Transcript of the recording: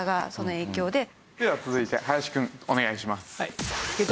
では続いて林くんお願いします。